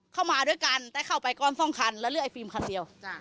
เข้ามาด้วยกันแต่เข้าไปก้อนสองคันแล้วเลือกไอฟิล์มคันเดียว